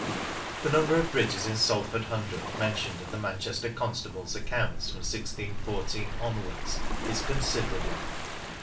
The number of bridges in Salford Hundred mentioned in the Manchester Constable's Accounts from 1614 onwards is considerable.